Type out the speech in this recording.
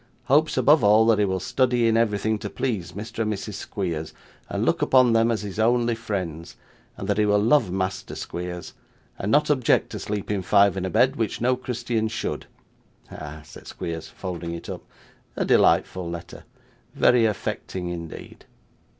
Hopes, above all, that he will study in everything to please Mr. and Mrs Squeers, and look upon them as his only friends; and that he will love Master Squeers; and not object to sleeping five in a bed, which no Christian should. Ah!' said Squeers, folding it up, 'a delightful letter. Very affecting indeed.